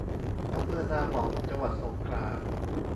อำเภอนาหม่อม จังหวัดสงขลา